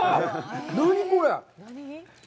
何これ！？